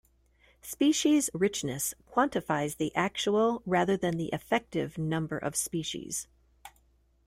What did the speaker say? Species richness quantifies the actual rather than effective number of species.